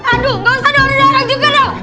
aduh gak usah darah juga dong